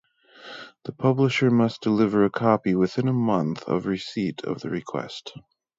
The publisher must deliver a copy within a month of receipt of the request.